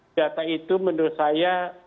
data itu menurut saya